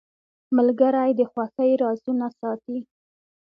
ملګری د خوښۍ رازونه ساتي.